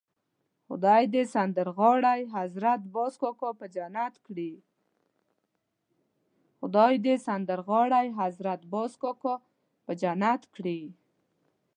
خدای دې سندرغاړی حضرت باز کاکا په جنت کړي.